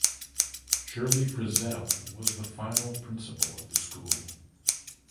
Shirley Frizell was the final principal of the school.